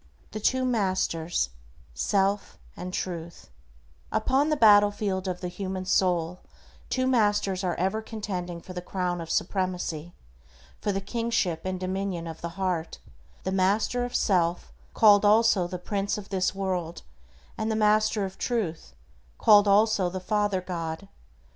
THE TWO MASTERS, SELF AND TRUTH Upon the battlefield of the human soul two masters are ever contending for the crown of supremacy, for the kingship and dominion of the heart; the master of self, called also the "Prince of this world," and the master of Truth, called also the Father God.